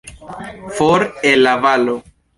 For, el la valo.